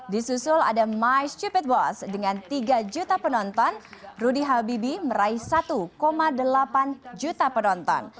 di susul ada my stupid boss dengan tiga juta penonton rudy habibi meraih satu delapan juta penonton